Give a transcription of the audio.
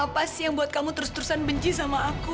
apa sih yang buat kamu terus terusan benci sama aku